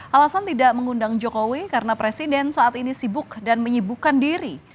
alasan tidak mengundang jokowi karena presiden saat ini sibuk dan menyibukkan diri